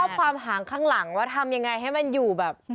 ความหางข้างหลังว่าทำยังไงให้มันอยู่แบบ